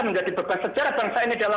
menjadi bekas sejarah bangsa ini dalam